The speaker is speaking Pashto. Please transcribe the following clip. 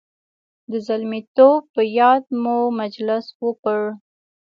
د زلمیتوب په یاد مو مجلس وکړ.